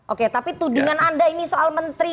oke tapi tuh dengan anda ini soal menteri